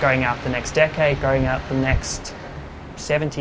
kami tidak tahu seberapa kemampuan populasi akan menjadi dengan perubahan ini